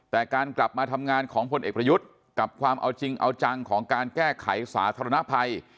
แต่การกลับมาทำงานของพลเอกประยุทธ์กับความเอาจริงเอาจังของการแก้ไขสาธารณภัย